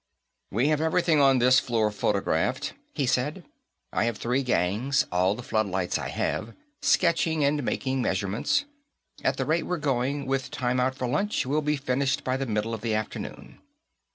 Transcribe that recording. "We have everything on this floor photographed," he said. "I have three gangs all the floodlights I have sketching and making measurements. At the rate we're going, with time out for lunch, we'll be finished by the middle of the afternoon."